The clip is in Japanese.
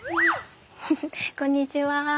こんにちは。